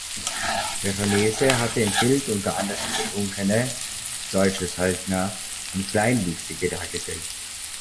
Veronese hatte im Bild unter anderem Betrunkene, deutsche Söldner und Kleinwüchsige dargestellt.